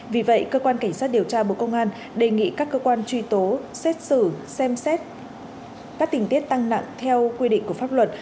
vì vậy cơ quan cảnh sát điều tra bộ công an đề nghị các cơ quan truy tố xét xử xem xét các tình tiết tăng nặng theo quy định của pháp luật